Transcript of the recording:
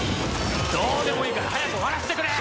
どうでもいいから早く終わらせてくれ！